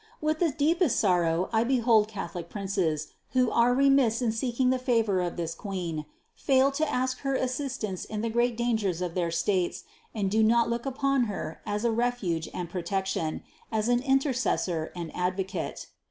With the deepest sorrow I be hold Catholic princes, who are remiss in seeking the favor of this Queen, fail to ask her assistance in the great dangers of their states, and do not look upon Her as a refuge and protection, as an Intercessor and Ad vocate.